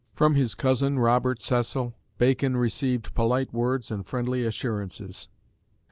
From his cousin, Robert Cecil, Bacon received polite words and friendly assurances.